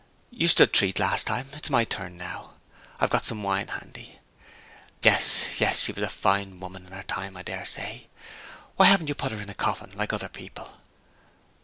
You stood treat last time my turn now. I've got the wine handy. Yes, yes she was a fine woman in her time, I dare say. Why haven't you put her into a coffin like other people?"